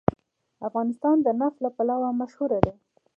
افغانستان د نفت لپاره مشهور دی.